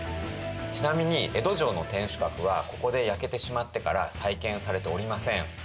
ちなみに江戸城の天守閣はここで焼けてしまってから再建されておりません。